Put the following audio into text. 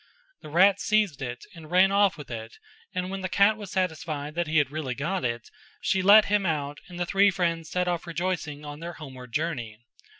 The rat seized it and ran off with it and when the cat was satisfied that he had really got it, she let him out and the three friends set off rejoicing on their homeward journey.